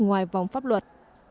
ngoài vòng pháp luật